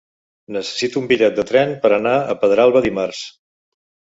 Necessito un bitllet de tren per anar a Pedralba dimarts.